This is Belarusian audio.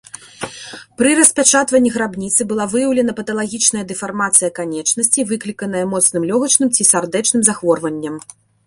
Пры распячатванні грабніцы была выяўлена паталагічная дэфармацыя канечнасцей, выкліканая моцным лёгачным ці сардэчным захворваннем.